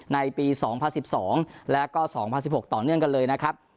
ในปี๒๐๑๒และก็๒๐๑๖ต่อเนื่องกันเลยนะครับ